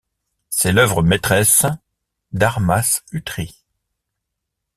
C'est l'œuvre maîtresse d'Armas Hutri.